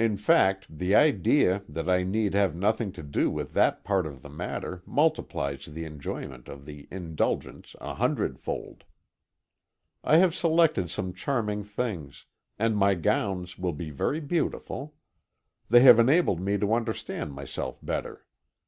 In fact, the idea that I need have nothing to do with that part of the matter multiplies the enjoyment of the indulgence a hundredfold. I have selected some charming things, and my gowns will be very beautiful. They have enabled me to understand myself better.